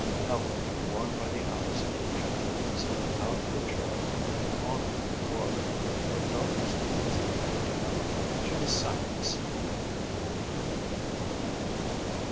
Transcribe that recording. Helen, worn by the hours of tension, slid out of her chair and onto the floor, and when Doctor Stevens picked her up she was sound asleep.